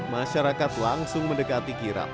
masyarakat langsung mendekati kirap